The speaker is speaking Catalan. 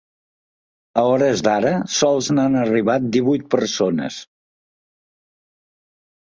A hores d’ara sol n’han arribat divuit persones.